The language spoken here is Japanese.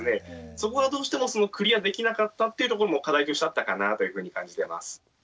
そこがどうしてもクリアできなかったっていうところも課題としてあったかなというふうに感じてます。